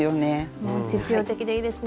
もう実用的でいいですね。